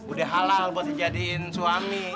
udah halal buat dijadiin suami